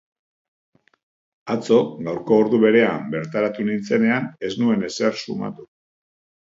Atzo, gaurko ordu berean bertaratu nintzenean, ez nuen ezer sumatu.